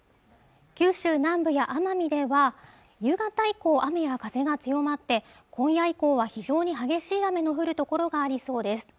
九州南部や奄美では夕方以降雨や風が強まって今夜以降は非常に激しい雨の降る所がありそうです